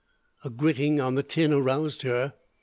A gritting on the tin aroused her.